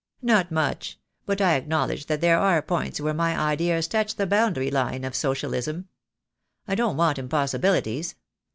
"Not much; but I acknowledge that there are points where my ideas touch the boundary line of Socialism. I don't want impossibilities.